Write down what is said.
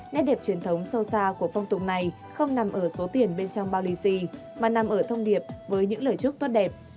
nét đẹp truyền thống sâu xa của phong tục này không nằm ở số tiền bên trong bao lì xì mà nằm ở thông điệp với những lời chúc tốt đẹp